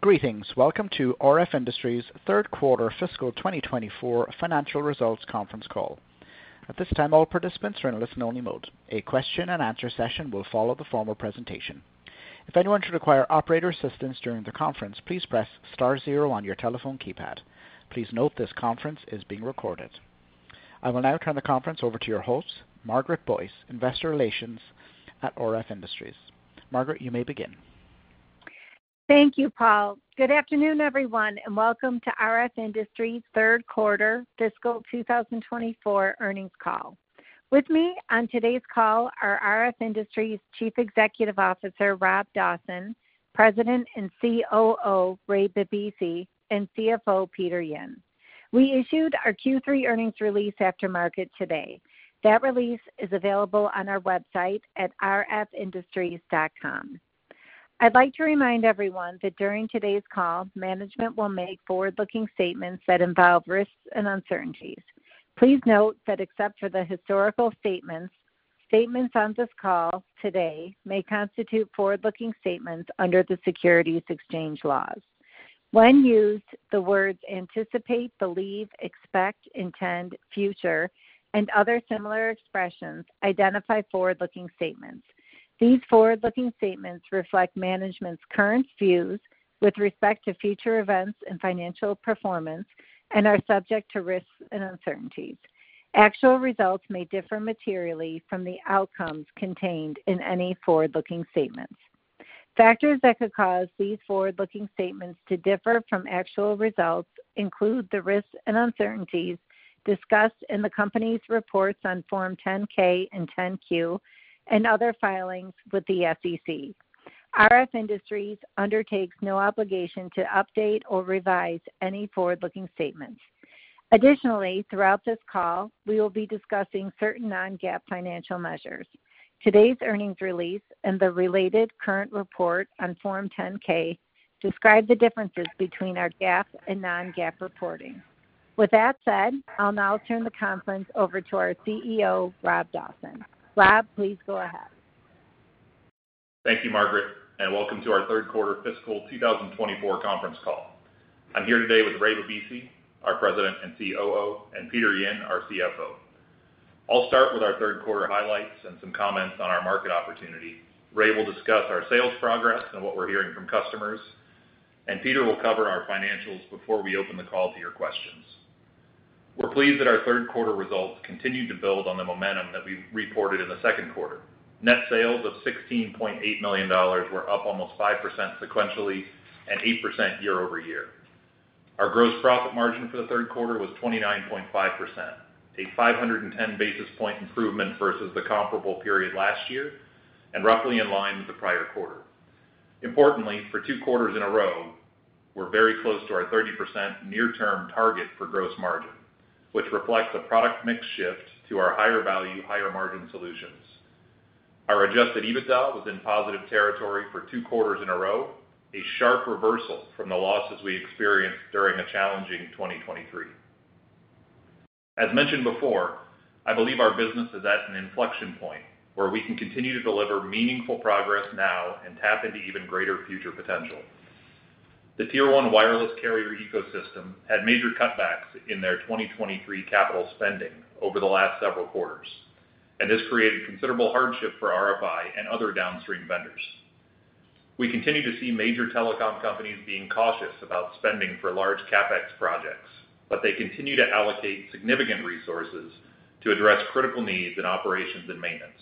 Greetings. Welcome to RF Industries' third quarter fiscal twenty twenty-four financial results conference call. At this time, all participants are in listen-only mode. A question and answer session will follow the formal presentation. If anyone should require operator assistance during the conference, please press star zero on your telephone keypad. Please note this conference is being recorded. I will now turn the conference over to your host, Margaret Boyce, Investor Relations at RF Industries. Margaret, you may begin. Thank you, Paul. Good afternoon, everyone, and welcome to RF Industries' third quarter fiscal 2024 earnings call. With me on today's call are RF Industries Chief Executive Officer, Rob Dawson, President and COO, Ray Babisi, and CFO, Peter Yin. We issued our Q3 earnings release after market today. That release is available on our website at rfindustries.com. I'd like to remind everyone that during today's call, management will make forward-looking statements that involve risks and uncertainties. Please note that except for the historical statements, statements on this call today may constitute forward-looking statements under the securities exchange laws. When used, the words anticipate, believe, expect, intend, future, and other similar expressions identify forward-looking statements. These forward-looking statements reflect management's current views with respect to future events and financial performance and are subject to risks and uncertainties. Actual results may differ materially from the outcomes contained in any forward-looking statements. Factors that could cause these forward-looking statements to differ from actual results include the risks and uncertainties discussed in the company's reports on Form 10-K and 10-Q and other filings with the SEC. RF Industries undertakes no obligation to update or revise any forward-looking statements. Additionally, throughout this call, we will be discussing certain non-GAAP financial measures. Today's earnings release and the related current report on Form 10-K describe the differences between our GAAP and non-GAAP reporting. With that said, I'll now turn the conference over to our CEO, Rob Dawson. Rob, please go ahead. Thank you, Margaret, and welcome to our third quarter fiscal 2024 conference call. I'm here today with Ray Bibisi, our President and COO, and Peter Yin, our CFO. I'll start with our third quarter highlights and some comments on our market opportunity. Ray will discuss our sales progress and what we're hearing from customers, and Peter will cover our financials before we open the call to your questions. We're pleased that our third quarter results continued to build on the momentum that we reported in the second quarter. Net sales of $16.8 million were up almost 5% sequentially and 8% year over year. Our gross profit margin for the third quarter was 29.5%, a 510 basis point improvement versus the comparable period last year and roughly in line with the prior quarter. Importantly, for two quarters in a row, we're very close to our 30% near-term target for gross margin, which reflects a product mix shift to our higher-value, higher-margin solutions. Our Adjusted EBITDA was in positive territory for two quarters in a row, a sharp reversal from the losses we experienced during a challenging 2023. As mentioned before, I believe our business is at an inflection point where we can continue to deliver meaningful progress now and tap into even greater future potential. The Tier One wireless carrier ecosystem had major cutbacks in their 2023 capital spending over the last several quarters, and this created considerable hardship for RFI and other downstream vendors. We continue to see major telecom companies being cautious about spending for large CapEx projects, but they continue to allocate significant resources to address critical needs in operations and maintenance.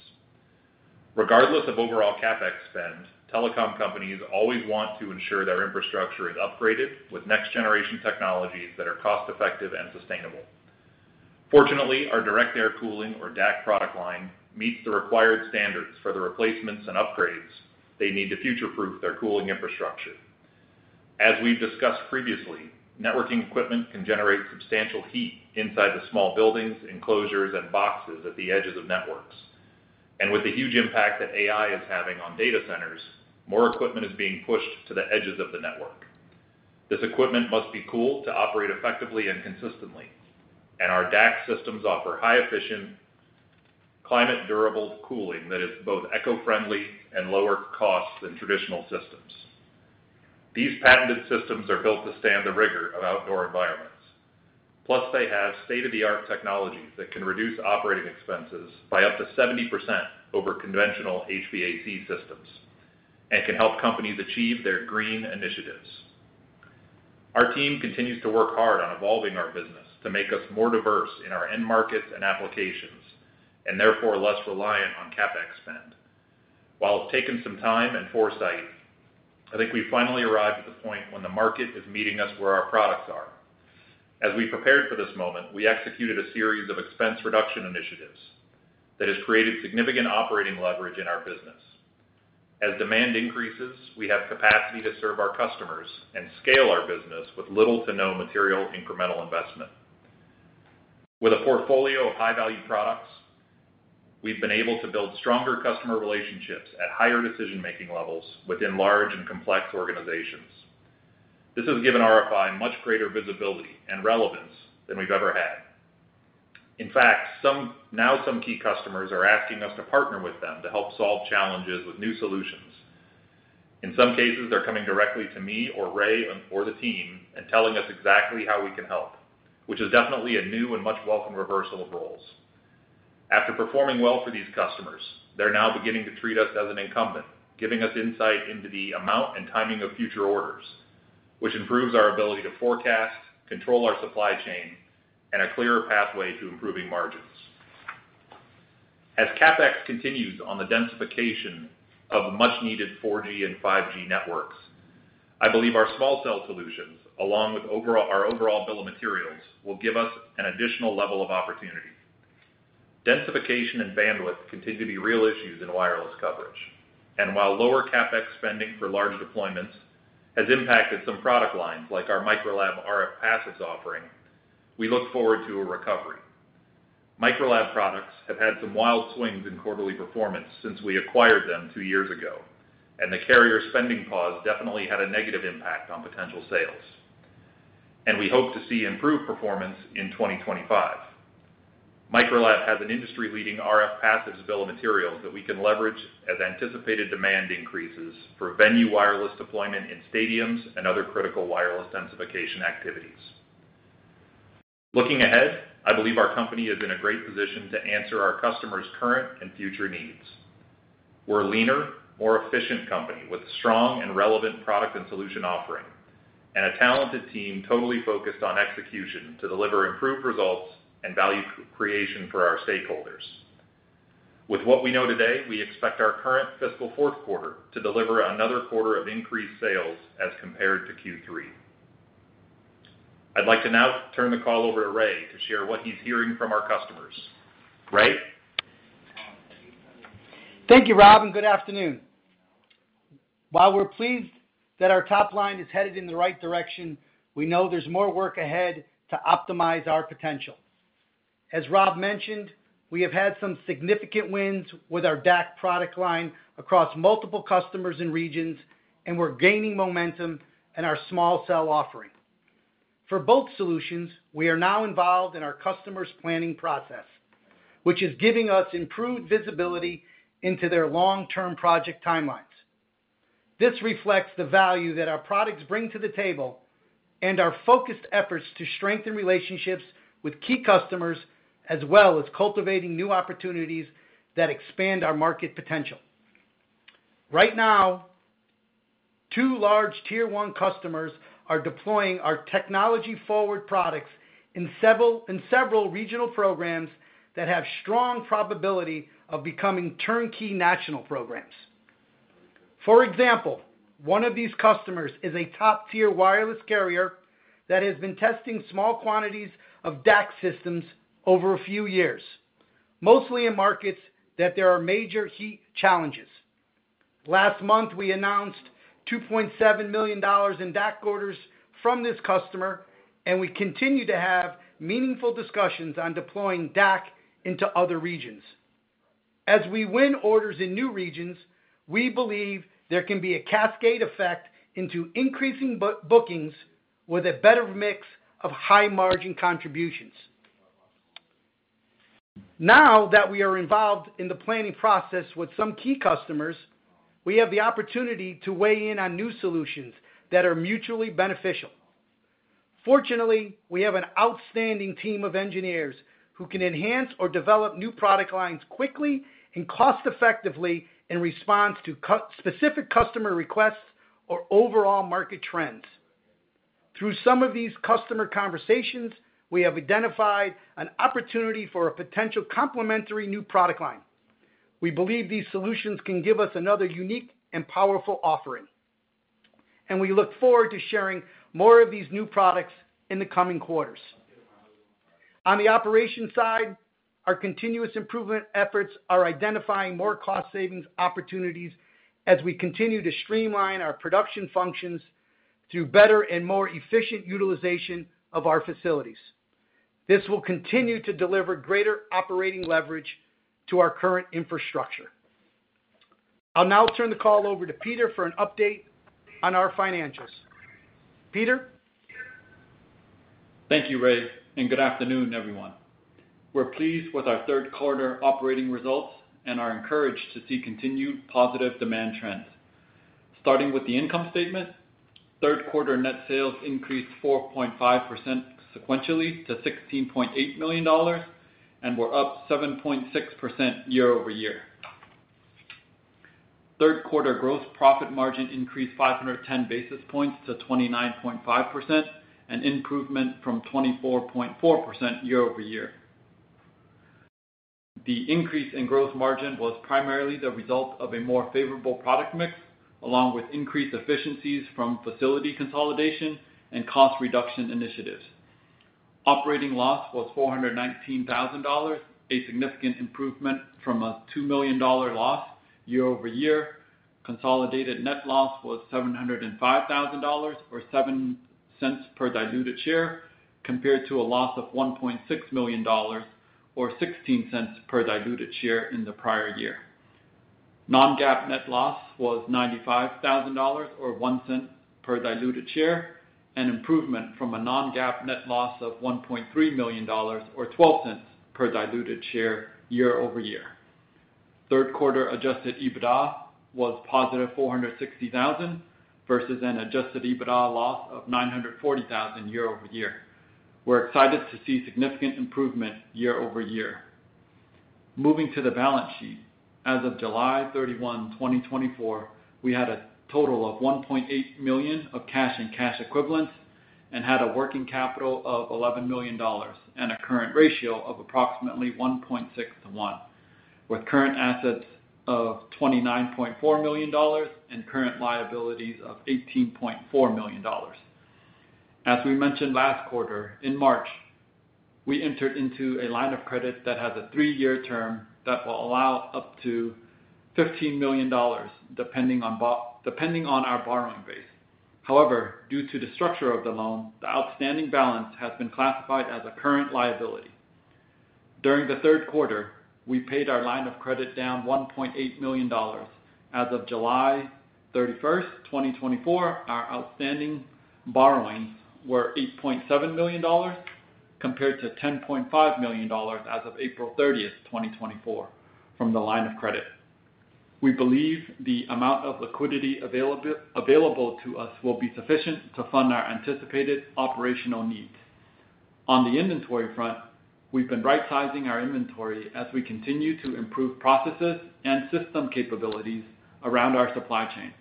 Regardless of overall CapEx spend, telecom companies always want to ensure their infrastructure is upgraded with next-generation technologies that are cost-effective and sustainable. Fortunately, our direct air cooling, or DAC product line, meets the required standards for the replacements and upgrades they need to future-proof their cooling infrastructure. As we've discussed previously, networking equipment can generate substantial heat inside the small buildings, enclosures, and boxes at the edges of networks, and with the huge impact that AI is having on data centers, more equipment is being pushed to the edges of the network. This equipment must be cooled to operate effectively and consistently, and our DAC systems offer highly efficient, climate-durable cooling that is both eco-friendly and lower cost than traditional systems. These patented systems are built to stand the rigor of outdoor environments, plus they have state-of-the-art technologies that can reduce operating expenses by up to 70% over conventional HVAC systems and can help companies achieve their green initiatives. Our team continues to work hard on evolving our business to make us more diverse in our end markets and applications, and therefore less reliant on CapEx spend. While it's taken some time and foresight, I think we've finally arrived at the point when the market is meeting us where our products are. As we prepared for this moment, we executed a series of expense reduction initiatives that has created significant operating leverage in our business. As demand increases, we have capacity to serve our customers and scale our business with little to no material incremental investment. With a portfolio of high-value products, we've been able to build stronger customer relationships at higher decision-making levels within large and complex organizations. This has given RFI much greater visibility and relevance than we've ever had. In fact, now some key customers are asking us to partner with them to help solve challenges with new solutions. In some cases, they're coming directly to me or Ray or the team and telling us exactly how we can help, which is definitely a new and much welcome reversal of roles. After performing well for these customers, they're now beginning to treat us as an incumbent, giving us insight into the amount and timing of future orders, which improves our ability to forecast, control our supply chain, and a clearer pathway to improving margins. As CapEx continues on the densification of much-needed 4G and 5G networks, I believe our small cell solutions, along with our overall bill of materials, will give us an additional level of opportunity. Densification and bandwidth continue to be real issues in wireless coverage, and while lower CapEx spending for large deployments has impacted some product lines, like our Microlab RF passives offering, we look forward to a recovery. Microlab products have had some wild swings in quarterly performance since we acquired them two years ago, and the carrier spending pause definitely had a negative impact on potential sales, and we hope to see improved performance in twenty twenty-five. Microlab has an industry-leading RF Passives bill of materials that we can leverage as anticipated demand increases for venue wireless deployment in stadiums and other critical wireless densification activities. Looking ahead, I believe our company is in a great position to answer our customers' current and future needs. We're a leaner, more efficient company with a strong and relevant product and solution offering, and a talented team totally focused on execution to deliver improved results and value creation for our stakeholders. With what we know today, we expect our current fiscal fourth quarter to deliver another quarter of increased sales as compared to Q3. I'd like to now turn the call over to Ray to share what he's hearing from our customers. Ray? Thank you, Rob, and good afternoon. While we're pleased that our top line is headed in the right direction, we know there's more work ahead to optimize our potential. As Rob mentioned, we have had some significant wins with our DAC product line across multiple customers and regions, and we're gaining momentum in our small cell offering. For both solutions, we are now involved in our customers' planning process, which is giving us improved visibility into their long-term project timelines. This reflects the value that our products bring to the table and our focused efforts to strengthen relationships with key customers, as well as cultivating new opportunities that expand our market potential. Right now, two large Tier One customers are deploying our technology-forward products in several regional programs that have strong probability of becoming turnkey national programs. For example, one of these customers is a top-tier wireless carrier that has been testing small quantities of DAC systems over a few years, mostly in markets that there are major heat challenges. Last month, we announced $2.7 million in DAC orders from this customer, and we continue to have meaningful discussions on deploying DAC into other regions. As we win orders in new regions, we believe there can be a cascade effect into increasing bookings with a better mix of high-margin contributions. Now that we are involved in the planning process with some key customers, we have the opportunity to weigh in on new solutions that are mutually beneficial. Fortunately, we have an outstanding team of engineers who can enhance or develop new product lines quickly and cost-effectively in response to customer-specific customer requests or overall market trends. Through some of these customer conversations, we have identified an opportunity for a potential complementary new product line. We believe these solutions can give us another unique and powerful offering, and we look forward to sharing more of these new products in the coming quarters. On the operations side, our continuous improvement efforts are identifying more cost savings opportunities as we continue to streamline our production functions through better and more efficient utilization of our facilities. This will continue to deliver greater operating leverage to our current infrastructure. I'll now turn the call over to Peter for an update on our financials. Peter? Thank you, Ray, and good afternoon, everyone. We're pleased with our third quarter operating results and are encouraged to see continued positive demand trends. Starting with the income statement, third quarter net sales increased 4.5 sequentially to $16.8 million, and were up 7.6% year over year. Third quarter gross profit margin increased 510 basis points to 29.5%, an improvement from 24.4% year over year. The increase in gross margin was primarily the result of a more favorable product mix, along with increased efficiencies from facility consolidation and cost reduction initiatives. Operating loss was $419,000, a significant improvement from a $2 million loss year over year. Consolidated net loss was $705,000 or $0.07 per diluted share, compared to a loss of $1.6 million, or $0.16 per diluted share in the prior year. Non-GAAP net loss was $95,000 or $0.01 per diluted share, an improvement from a non-GAAP net loss of $1.3 million or $0.12 per diluted share year-over-year. Third Quarter Adjusted EBITDA was positive $460,000 versus an Adjusted EBITDA loss of $940,000 year-over-year. We're excited to see significant improvement year-over-year. Moving to the balance sheet. As of July 31, 2024, we had a total of $1.8 million of cash and cash equivalents and had a working capital of $11 million, and a current ratio of approximately 1.6 to 1, with current assets of $29.4 million and current liabilities of $18.4 million. As we mentioned last quarter, in March, we entered into a line of credit that has a three-year term that will allow up to $15 million, depending on our borrowing base. However, due to the structure of the loan, the outstanding balance has been classified as a current liability. During the third quarter, we paid our line of credit down $1.8 million. As of July thirty-first, twenty twenty-four, our outstanding borrowings were $8.7 million compared to $10.5 million as of April thirtieth, twenty twenty-four, from the line of credit. We believe the amount of liquidity available to us will be sufficient to fund our anticipated operational needs. On the inventory front, we've been rightsizing our inventory as we continue to improve processes and system capabilities around our supply chain.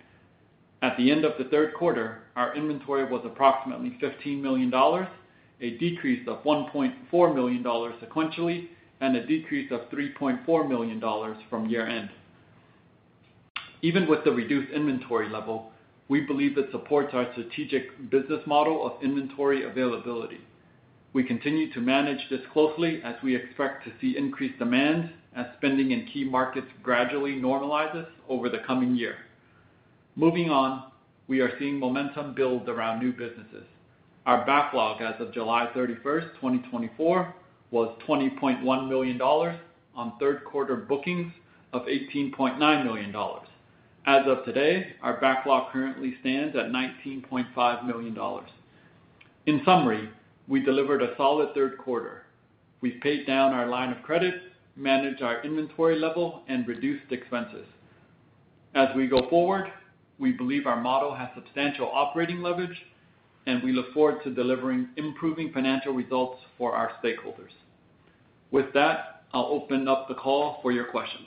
At the end of the third quarter, our inventory was approximately $15 million, a decrease of $1.4 million sequentially, and a decrease of $3.4 million from year end. Even with the reduced inventory level, we believe it supports our strategic business model of inventory availability. We continue to manage this closely as we expect to see increased demand as spending in key markets gradually normalizes over the coming year. Moving on, we are seeing momentum build around new businesses. Our backlog as of July thirty-first, 2024, was $20.1 million on third quarter bookings of $18.9 million. As of today, our backlog currently stands at $19.5 million. In summary, we delivered a solid third quarter. We've paid down our line of credit, managed our inventory level, and reduced expenses. As we go forward, we believe our model has substantial operating leverage, and we look forward to delivering improving financial results for our stakeholders. With that, I'll open up the call for your questions.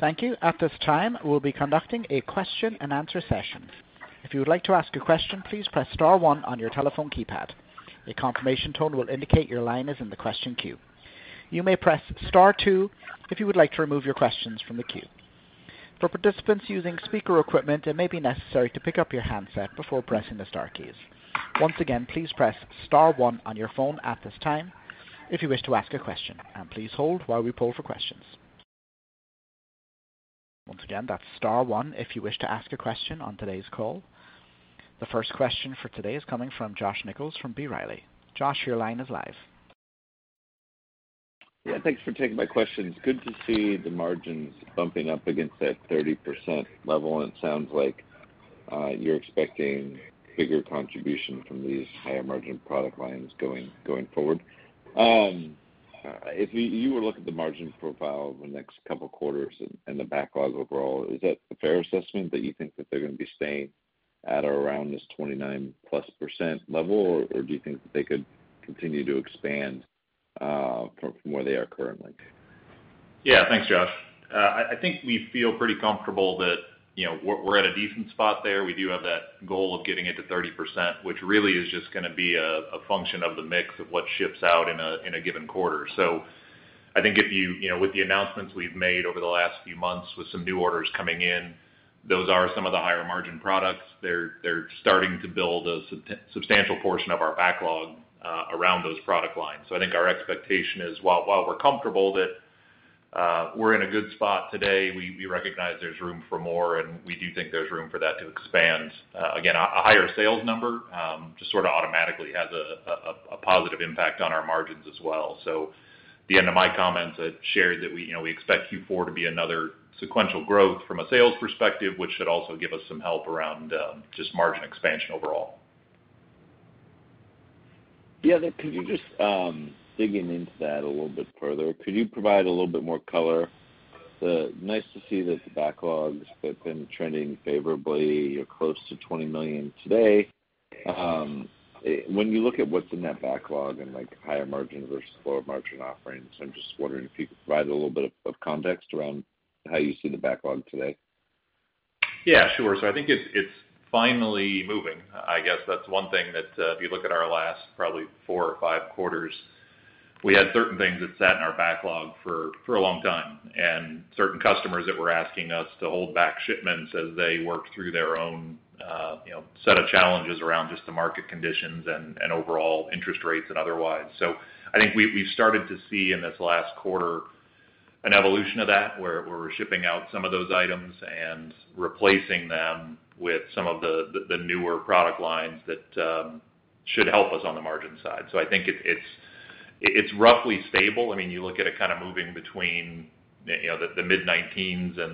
Thank you. At this time, we'll be conducting a question and answer session. If you would like to ask a question, please press star one on your telephone keypad. A confirmation tone will indicate your line is in the question queue. You may press star two if you would like to remove your questions from the queue. For participants using speaker equipment, it may be necessary to pick up your handset before pressing the star keys. Once again, please press star one on your phone at this time if you wish to ask a question, and please hold while we poll for questions. Once again, that's star one if you wish to ask a question on today's call. The first question for today is coming from Josh Nichols from B. Riley. Josh, your line is live. Yeah, thanks for taking my questions. Good to see the margins bumping up against that 30% level, and it sounds like you're expecting bigger contribution from these higher margin product lines going forward. If you were to look at the margin profile over the next couple quarters and the backlog overall, is that a fair assessment that you think that they're gonna be staying at or around this 29% plus level, or do you think that they could continue to expand from where they are currently? Yeah. Thanks, Josh. I think we feel pretty comfortable that, you know, we're at a decent spot there. We do have that goal of getting it to 30%, which really is just gonna be a function of the mix of what ships out in a given quarter. So I think if you, you know, with the announcements we've made over the last few months with some new orders coming in, those are some of the higher margin products. They're starting to build a substantial portion of our backlog around those product lines. So I think our expectation is while we're comfortable that we're in a good spot today, we recognize there's room for more, and we do think there's room for that to expand. Again, a higher sales number just sort of automatically has a positive impact on our margins as well. So the end of my comments, I shared that we, you know, we expect Q4 to be another sequential growth from a sales perspective, which should also give us some help around just margin expansion overall. The other, could you just, digging into that a little bit further, could you provide a little bit more color? Nice to see that the backlogs have been trending favorably. You're close to $20 million today. When you look at what's in that backlog and, like, higher margin versus lower margin offerings, I'm just wondering if you could provide a little bit of context around how you see the backlog today. Yeah, sure. So I think it's finally moving. I guess that's one thing that if you look at our last probably four or five quarters, we had certain things that sat in our backlog for a long time. And certain customers that were asking us to hold back shipments as they worked through their own you know set of challenges around just the market conditions and overall interest rates and otherwise. So I think we've started to see in this last quarter an evolution of that, where we're shipping out some of those items and replacing them with some of the newer product lines that should help us on the margin side. So I think it's roughly stable. I mean, you look at it kind of moving between, you know, the mid-nineteens and,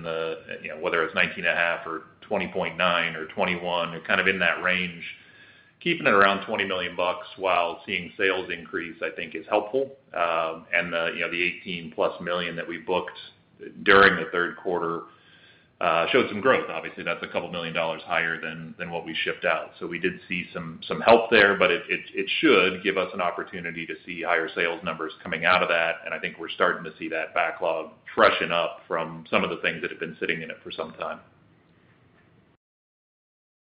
you know, whether it's 19.5 or 20.9 or 21, kind of in that range, keeping it around $20 million while seeing sales increase, I think is helpful. And, you know, the $18 million-plus that we booked during the third quarter showed some growth. Obviously, that's $2 million higher than what we shipped out. So we did see some help there, but it should give us an opportunity to see higher sales numbers coming out of that. And I think we're starting to see that backlog pushing up from some of the things that have been sitting in it for some time.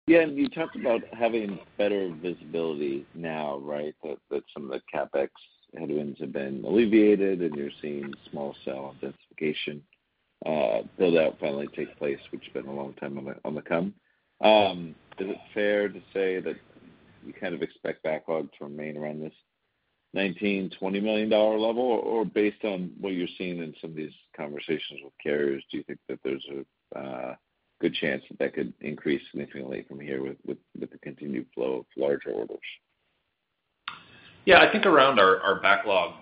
Yeah, and you talked about having better visibility now, right? That some of the CapEx headwinds have been alleviated, and you're seeing small cell identification build-out finally take place, which has been a long time on the come. Is it fair to say that you kind of expect backlog to remain around this $19-$20 million level? Or based on what you're seeing in some of these conversations with carriers, do you think that there's a good chance that that could increase significantly from here with the continued flow of larger orders? Yeah, I think around our backlog,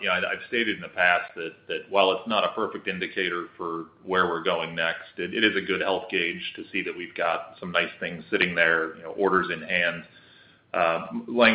you know, I've stated in the past that while it's not a perfect indicator for where we're going next, it is a good health gauge to see that we've got some nice things sitting there, you know, orders in hand.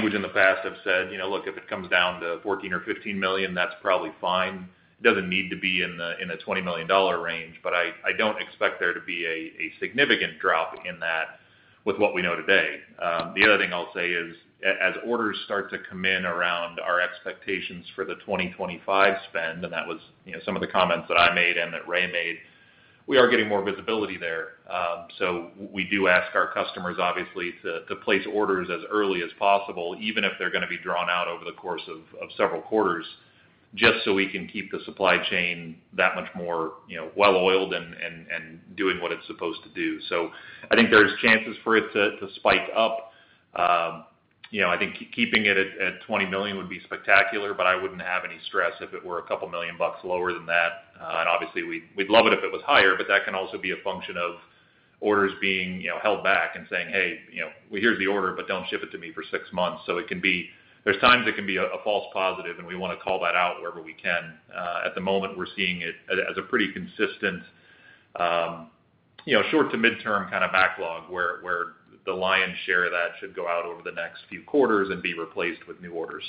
In the past I have said, "You know, look, if it comes down to $14 or $15 million, that's probably fine. It doesn't need to be in the $20 million range," but I don't expect there to be a significant drop in that with what we know today. The other thing I'll say is as orders start to come in around our expectations for the 2025 spend, and that was, you know, some of the comments that I made and that Ray made, we are getting more visibility there. So we do ask our customers, obviously, to place orders as early as possible, even if they're going to be drawn out over the course of several quarters, just so we can keep the supply chain that much more, you know, well-oiled and doing what it's supposed to do. So I think there's chances for it to spike up. You know, I think keeping it at $20 million would be spectacular, but I wouldn't have any stress if it were a couple million bucks lower than that. And obviously, we'd love it if it was higher, but that can also be a function of orders being, you know, held back and saying, "Hey, you know, well, here's the order, but don't ship it to me for six months." So it can be. There's times it can be a false positive, and we want to call that out wherever we can. At the moment, we're seeing it as a pretty consistent, you know, short to midterm kind of backlog, where the lion's share of that should go out over the next few quarters and be replaced with new orders.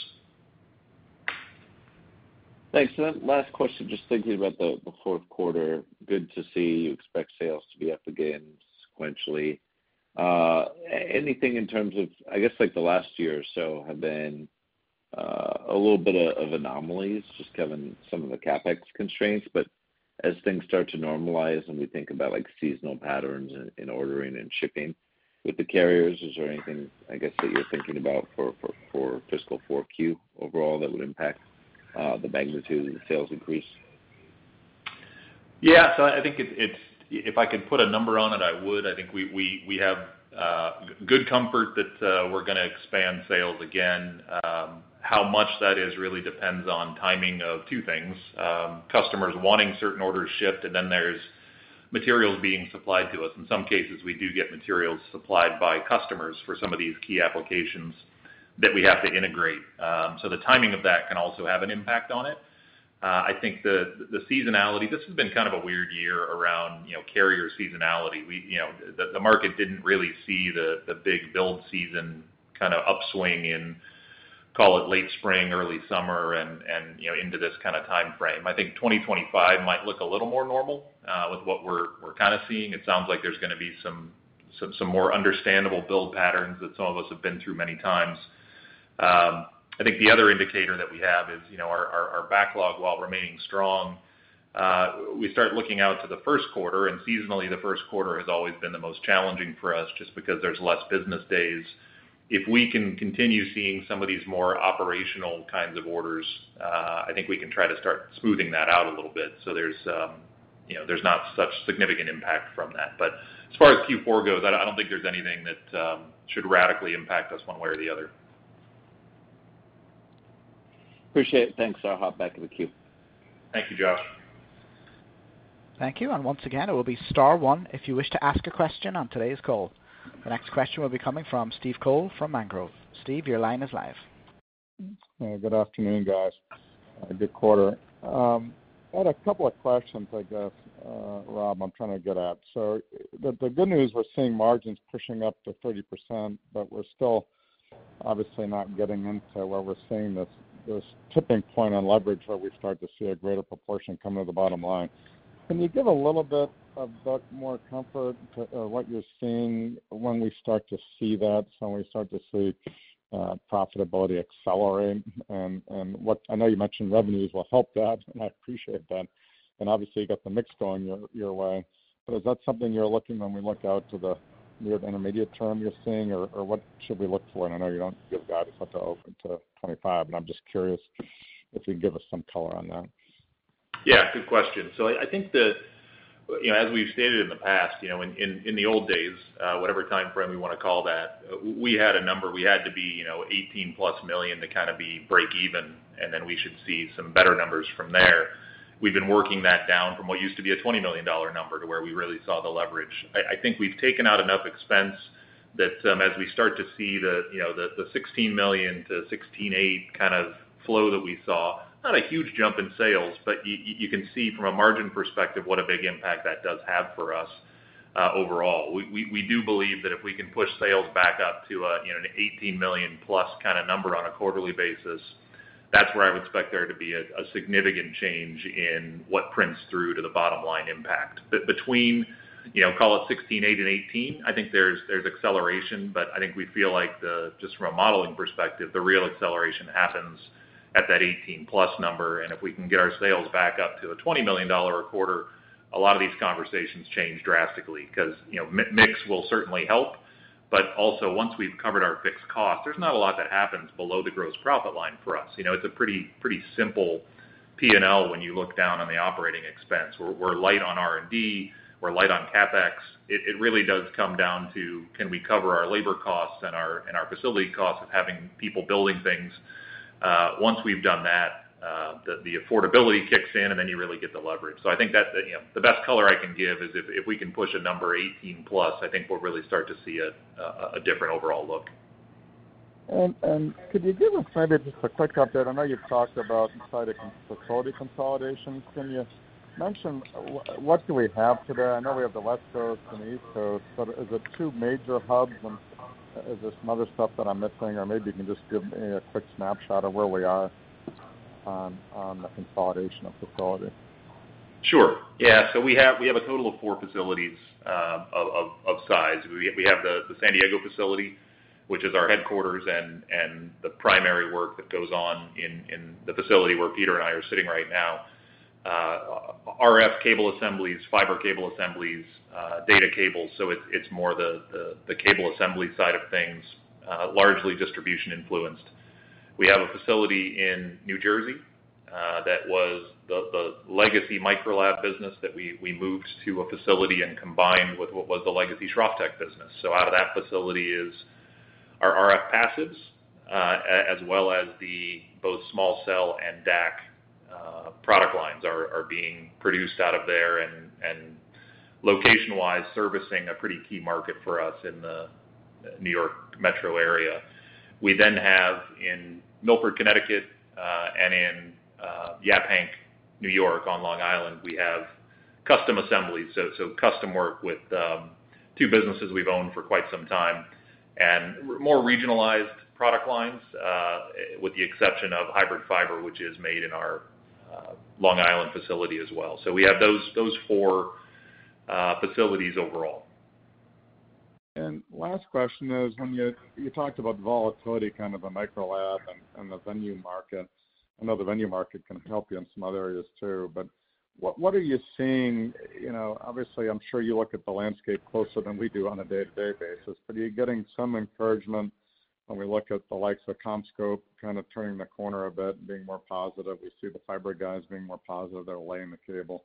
Thanks. So then, last question, just thinking about the fourth quarter. Good to see you expect sales to be up again sequentially. Anything in terms of... I guess, like, the last year or so have been a little bit of anomalies, just given some of the CapEx constraints. But as things start to normalize, and we think about, like, seasonal patterns in ordering and shipping with the carriers, is there anything, I guess, that you're thinking about for fiscal four Q overall that would impact the magnitude of the sales increase? Yeah, so I think if I could put a number on it, I would. I think we have good comfort that we're gonna expand sales again. How much that is really depends on timing of two things: customers wanting certain orders shipped, and then there's materials being supplied to us. In some cases, we do get materials supplied by customers for some of these key applications that we have to integrate. So the timing of that can also have an impact on it. I think the seasonality, this has been kind of a weird year around, you know, carrier seasonality. We, you know, the market didn't really see the big build season kind of upswing in, call it, late spring, early summer, and, you know, into this kind of timeframe. I think twenty twenty-five might look a little more normal with what we're kind of seeing. It sounds like there's gonna be some more understandable build patterns that some of us have been through many times. I think the other indicator that we have is, you know, our backlog, while remaining strong, we start looking out to the first quarter, and seasonally, the first quarter has always been the most challenging for us, just because there's less business days. If we can continue seeing some of these more operational kinds of orders, I think we can try to start smoothing that out a little bit, so there's, you know, there's not such significant impact from that, but as far as Q4 goes, I don't think there's anything that should radically impact us one way or the other. Appreciate it. Thanks. I'll hop back in the queue. Thank you, Josh. Thank you. And once again, it will be star one if you wish to ask a question on today's call. The next question will be coming from Steve Cole from Mangrove. Steve, your line is live. Good afternoon, guys. A good quarter. I had a couple of questions, I guess, Rob, I'm trying to get at. So the good news, we're seeing margins pushing up to 30%, but we're still obviously not getting into where we're seeing this tipping point on leverage, where we start to see a greater proportion come to the bottom line. Can you give a little bit of more comfort to what you're seeing when we start to see that, profitability accelerate? And what- I know you mentioned revenues will help that, and I appreciate that, and obviously, you got the mix going your way. But is that something you're looking when we look out to the near to intermediate term you're seeing, or what should we look for? I know you don't give guidance until 2025, but I'm just curious if you can give us some color on that. Yeah, good question. So I think the, you know, as we've stated in the past, you know, in the old days, whatever timeframe we want to call that, we had a number. We had to be, you know, $18-plus million to kind of be breakeven, and then we should see some better numbers from there. We've been working that down from what used to be a $20 million number to where we really saw the leverage. I think we've taken out enough expense that, as we start to see the, you know, the $16 million-$16.8 million kind of flow that we saw, not a huge jump in sales, but you can see from a margin perspective what a big impact that does have for us, overall. We do believe that if we can push sales back up to a, you know, an $18 million-plus kind of number on a quarterly basis, that's where I would expect there to be a significant change in what prints through to the bottom line impact. But between, you know, call it $16.8 million and $18 million, I think there's acceleration, but I think we feel like the just from a modeling perspective, the real acceleration happens at that $18 million-plus number, and if we can get our sales back up to a $20 million a quarter, a lot of these conversations change drastically. 'Cause, you know, mix will certainly help, but also, once we've covered our fixed cost, there's not a lot that happens below the gross profit line for us. You know, it's a pretty, pretty simple P&L when you look down on the operating expense. We're, we're light on R&D, we're light on CapEx. It really does come down to, can we cover our labor costs and our facility costs of having people building things? Once we've done that, the affordability kicks in, and then you really get the leverage. So I think that's the, you know, the best color I can give is if we can push a number 18 plus, I think we'll really start to see a different overall look. Could you give us maybe just a quick update? I know you've talked about inside of facility consolidation. Can you mention what do we have today? I know we have the West Coast and the East Coast, but is it two major hubs, and is there some other stuff that I'm missing, or maybe you can just give me a quick snapshot of where we are on the consolidation of facility? Sure. Yeah, so we have a total of four facilities of size. We have the San Diego facility, which is our headquarters, and the primary work that goes on in the facility where Peter and I are sitting right now. RF cable assemblies, fiber cable assemblies, data cables, so it's more the cable assembly side of things, largely distribution influenced. We have a facility in New Jersey that was the legacy Microlab business that we moved to a facility and combined with what was the legacy Schroff Tech business. So out of that facility is our RF passives, as well as both small cell and DAC product lines are being produced out of there, and location-wise, servicing a pretty key market for us in the New York metro area. We then have in Milford, Connecticut, and in Yaphank, New York, on Long Island, we have custom assemblies, so custom work with two businesses we've owned for quite some time. And more regionalized product lines, with the exception of hybrid fiber, which is made in our Long Island facility as well. So we have those four facilities overall. And last question is, when you talked about the volatility, kind of the Microlab and the venue market. I know the venue market can help you in some other areas, too, but what are you seeing? You know, obviously, I'm sure you look at the landscape closer than we do on a day-to-day basis, but are you getting some encouragement when we look at the likes of CommScope, kind of turning the corner a bit and being more positive? We see the fiber guys being more positive. They're laying the cable.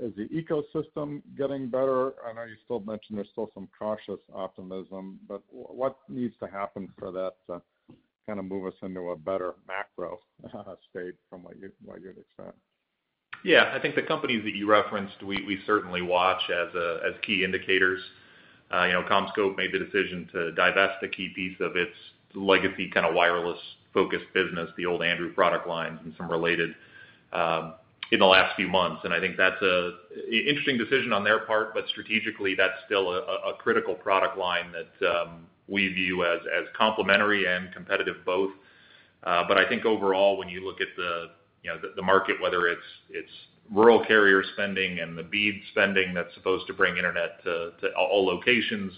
Is the ecosystem getting better? I know you still mentioned there's still some cautious optimism, but what needs to happen for that to kind of move us into a better macro state from what you'd expect? Yeah. I think the companies that you referenced, we certainly watch as key indicators. You know, CommScope made the decision to divest a key piece of its legacy, kind of wireless-focused business, the old Andrew product lines and some related, in the last few months, and I think that's an interesting decision on their part, but strategically, that's still a critical product line that we view as complementary and competitive both. But I think overall, when you look at the, you know, the market, whether it's rural carrier spending and the BEAD spending that's supposed to bring internet to all locations,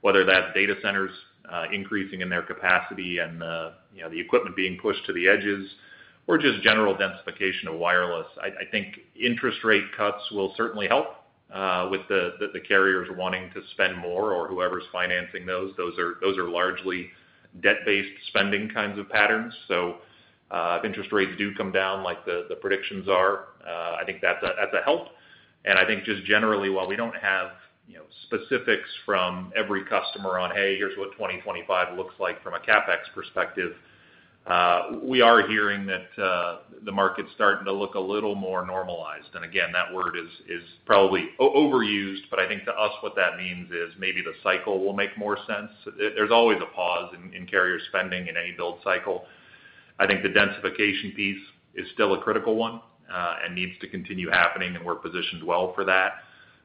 whether that's data centers increasing in their capacity and you know, the equipment being pushed to the edges or just general densification of wireless, I think interest rate cuts will certainly help with the carriers wanting to spend more or whoever's financing those. Those are largely debt-based spending kinds of patterns, if interest rates do come down like the predictions are, I think that's a help. And I think just generally, while we don't have, you know, specifics from every customer on, "Hey, here's what twenty twenty-five looks like from a CapEx perspective," we are hearing that the market's starting to look a little more normalized. And again, that word is probably overused, but I think to us, what that means is maybe the cycle will make more sense. There's always a pause in carrier spending in any build cycle. I think the densification piece is still a critical one, and needs to continue happening, and we're positioned well for that.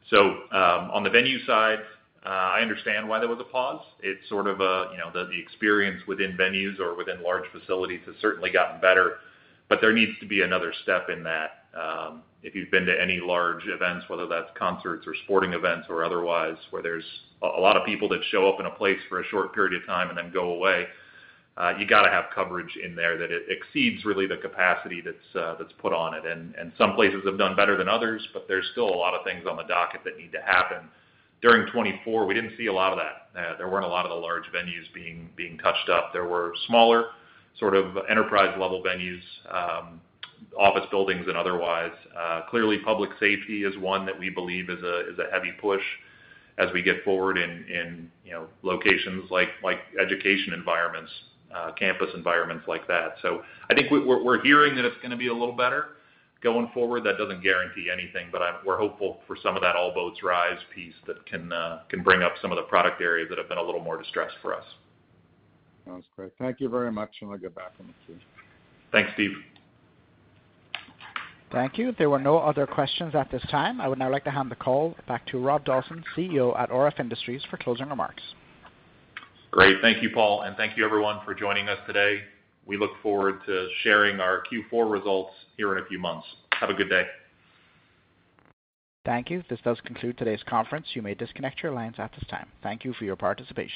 So, on the venue side, I understand why there was a pause. It's sort of a, you know, the experience within venues or within large facilities has certainly gotten better, but there needs to be another step in that. If you've been to any large events, whether that's concerts or sporting events or otherwise, where there's a lot of people that show up in a place for a short period of time and then go away, you gotta have coverage in there that it exceeds really the capacity that's put on it. Some places have done better than others, but there's still a lot of things on the docket that need to happen. During 2024, we didn't see a lot of that. There weren't a lot of the large venues being touched up. There were smaller, sort of enterprise-level venues, office buildings and otherwise. Clearly, public safety is one that we believe is a heavy push as we get forward in, you know, locations like education environments, campus environments like that. So I think we're hearing that it's gonna be a little better going forward. That doesn't guarantee anything, but we're hopeful for some of that all boats rise piece that can bring up some of the product areas that have been a little more distressed for us. Sounds great. Thank you very much, and I'll get back on the queue. Thanks, Steve. Thank you. There were no other questions at this time. I would now like to hand the call back to Rob Dawson, CEO at RF Industries, for closing remarks. Great. Thank you, Paul, and thank you everyone for joining us today. We look forward to sharing our Q4 results here in a few months. Have a good day. Thank you. This does conclude today's conference. You may disconnect your lines at this time. Thank you for your participation.